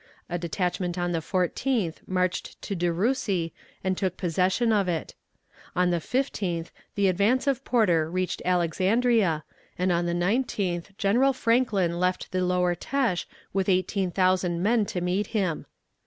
A detachment on the 14th marched to De Russy and took possession of it. On the 15th the advance of Porter reached Alexandria, and on the 19th General Franklin left the lower Têche with eighteen thousand men to meet him.